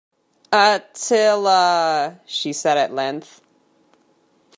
"Attila," she said at length.